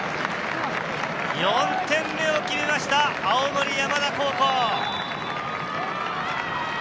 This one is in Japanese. ４点目を決めました、青森山田高校。